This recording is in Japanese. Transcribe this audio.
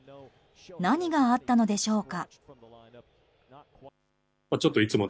何があったのでしょうか。